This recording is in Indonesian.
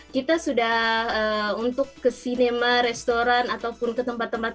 kita sudah untuk ke sinema restoran ataupun ke tempat tempat